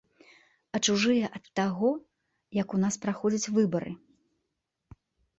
А чужыя ад таго, як у нас праходзяць выбары.